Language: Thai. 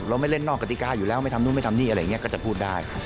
ไม่เล่นนอกกติกาอยู่แล้วไม่ทำนู่นไม่ทำนี่อะไรอย่างนี้ก็จะพูดได้